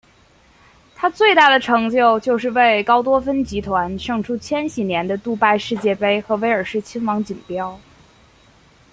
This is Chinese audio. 它最大的成就就是为高多芬集团胜出千禧年的杜拜世界杯和威尔斯亲王锦标。